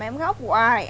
em khóc hoài